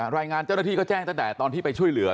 รายงานเจ้าหน้าที่ก็แจ้งตั้งแต่ตอนที่ไปช่วยเหลือ